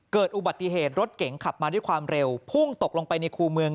เกิดอุบัติเหตุรถเก๋งขับมาด้วยความเร็วพุ่งตกลงไปในคู่เมือง